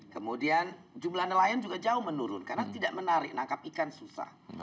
kemudian jumlah nelayan juga jauh menurun karena tidak menarik nangkap ikan susah